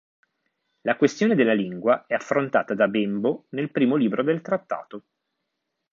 La questione della lingua è affrontata da Bembo nel primo libro del trattato.